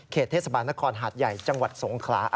เทศบาลนครหาดใหญ่จังหวัดสงขลา